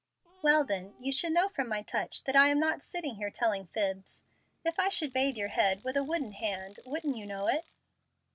"Well then, you should know from my touch that I am not sitting here telling fibs. If I should bathe your head with a wooden hand, wouldn't you know it?"